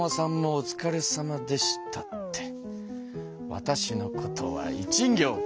わたしのことは一行かって！